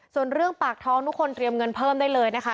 ส่วนเรื่องปากท้องทุกคนเตรียมเงินเพิ่มได้เลยนะคะ